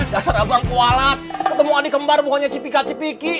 dasar abang kuala ketemu adik kembar bukannya cipika cipiki